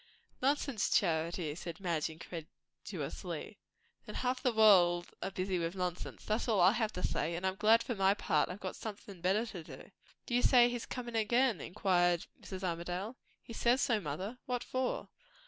"Nonsense, Charity!" said Madge incredulously. "Then half the world are busy with nonsense, that's all I have to say; and I'm glad for my part I've somethin' better to do." "Do you say he's comin' again?" inquired Mrs. Armadale. "He says so, mother." "What for?"